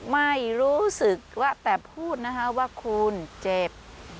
ไม่รู้สึกว่าแต่พูดนะคะว่าคุณเจ็บ